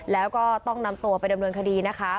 แล้วก็ต้องนำตัวไปดำเนินคดีนะคะ